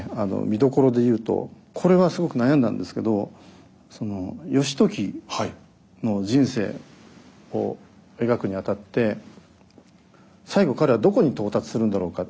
見どころで言うとこれはすごく悩んだんですけどその義時の人生を描くにあたって最期彼はどこに到達するんだろうか。